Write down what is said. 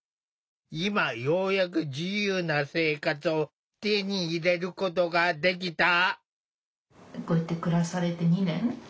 今ようやく自由な生活を手に入れることができた。